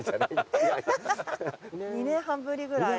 ２年半ぶりぐらい。